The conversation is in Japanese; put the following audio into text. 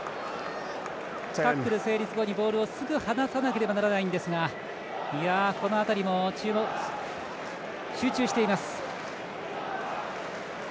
タックル成立後にすぐボールを放さなければならないんですがこの辺りも集中しています。